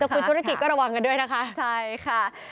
คุณธุรกิจก็ระวังกันด้วยนะคะ